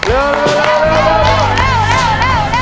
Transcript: เร็วเร็วเร็ว